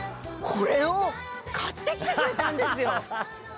これを買ってきてくれたんですよ！